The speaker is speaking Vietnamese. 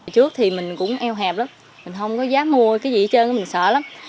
trước thì mình cũng eo hẹp lắm mình không có dám mua cái gì hết trơn mình sợ lắm